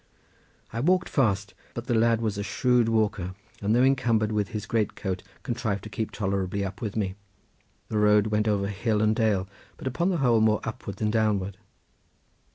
I walked fast, but the lad was a shrewd walker, and though encumbered with his great coat contrived to keep tolerably up with me. The road went over hill and dale, but upon the whole more upward than downward.